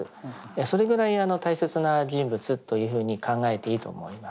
それくらい大切な人物というふうに考えていいと思います。